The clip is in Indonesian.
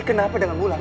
ini kenapa dengan wulan